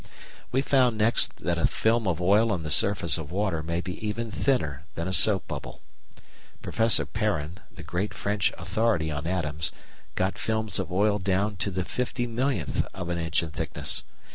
We found next that a film of oil on the surface of water may be even thinner than a soap bubble. Professor Perrin, the great French authority on atoms, got films of oil down to the fifty millionth of an inch in thickness!